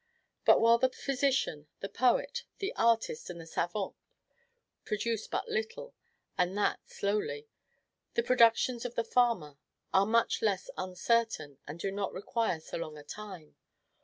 But while the physician, the poet, the artist, and the savant produce but little, and that slowly, the productions of the farmer are much less uncertain, and do not require so long a time.